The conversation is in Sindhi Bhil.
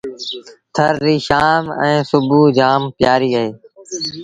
ٿر ريٚ شآم ائيٚݩ سُڀو جآم پيٚآريٚ اهي۔